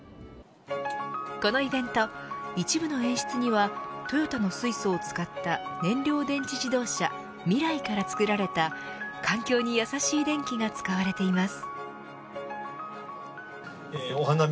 このイベント、一部の演出にはトヨタの水素を使った燃料電池自動車ＭＩＲＡＩから作られた環境にやさしい電気が使われています。